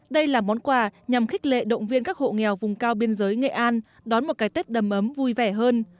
đây là món quà nhằm khích lệ động viên các hộ nghèo vùng cao biên giới nghệ an đón một cái tết đầm ấm vui vẻ hơn